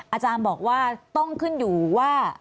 อาจารย์บอกว่าต้องขึ้นอยู่ว่า